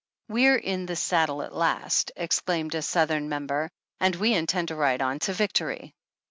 "We're in the sad dle at last," exclaimed a Southern member, " and we intend to ride on to \dctory